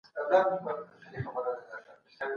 دا کار هغې په ډېر مهارت سره وکړ.